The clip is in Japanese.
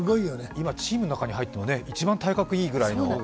今、チームの中に入っても、一番体格いいぐらいの。